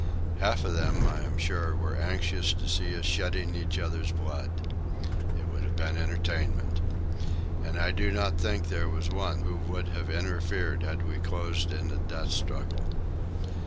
Half of them, I am sure, were anxious to see us shedding each other's blood. It would have been entertainment. And I do not think there was one who would have interfered had we closed in a death struggle.